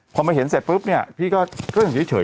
พอมาเห็นเสร็จปุ๊บพี่ก็ก็อย่างเย็นเฉย